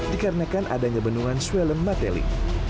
dikarenakan adanya benungan swellenmatteli